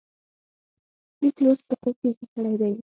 لیک لوست په خوب کې زده کړی دی.